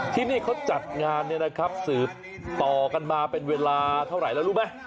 ที่นี่เขาจัดงานสืบต่อกันมาเป็นเวลาเท่าไรแล้วรู้ไหม